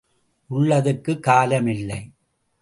உள்ளதுக்குக் காலம் இல்லை.